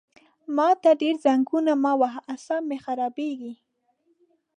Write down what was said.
ما ته ډېر زنګونه مه وهه عصاب مې خرابېږي!